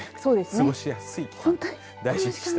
過ごしやすい期間大事にしたい。